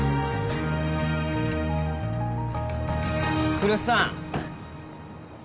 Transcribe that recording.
・来栖さん。